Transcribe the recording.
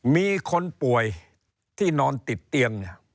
มีคนป่วยที่นอนติดเตียง